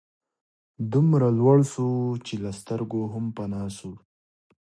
دومره لوړ سو چي له سترګو هم پناه سو